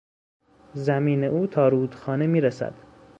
زمین او تا رودخانه میرسد.